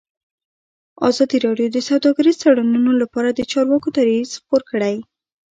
ازادي راډیو د سوداګریز تړونونه لپاره د چارواکو دریځ خپور کړی.